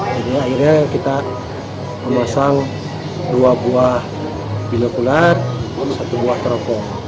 jadi akhirnya kita memasang dua buah binokuler satu buah teropong